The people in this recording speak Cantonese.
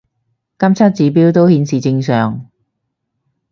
監測指標都顯示正常